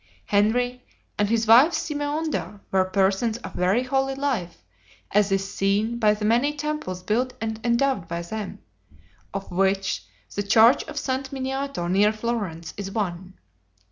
Henry and his wife Simeonda were persons of very holy life, as is seen by the many temples built and endowed by them, of which the church of St. Miniato, near Florence, is one.